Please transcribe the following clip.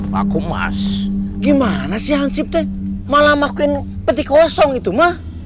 paku emas gimana sih hansip teh malam aku yang peti kosong itu mah